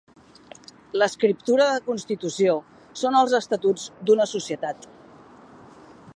L'escriptura de constitució són els estatuts d'una societat.